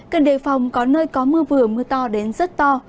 cần đề phòng có nơi có mưa vừa mưa to đến rất to